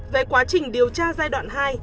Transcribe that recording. về quá trình điều tra giai đoạn hai